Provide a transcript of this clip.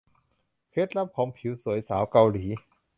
เคล็ดลับผิวสวยของสาวเกาหลี